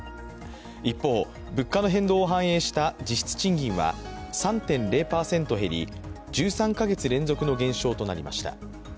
一方、物価の変動を反映した実質賃金は３．０％減り、１３か月連続の減少となりました。